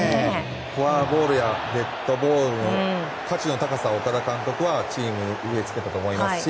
フォアボールやデッドボールの価値の高さを岡田監督はチームに植え付けたと思いますし